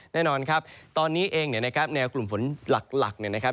แน่นอนครับตอนนี้เองเนี่ยนะครับแนวกลุ่มฝนหลักเนี่ยนะครับ